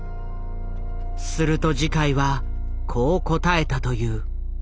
すると慈海はこう答えたという。